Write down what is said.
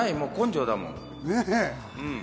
そう、根性だもん。